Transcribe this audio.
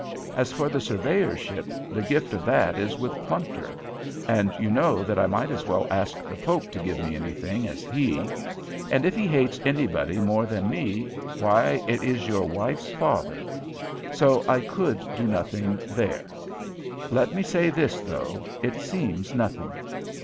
As for the surveyorship, the gift of that is with Plumptre. And you know that I might as well ask the Pope to give me any thing as he. And if he hates anybody more than me, why it is your wife's father. So I could do nothing there. Let me say this, though it seems nothing.